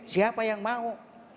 siapa yang mau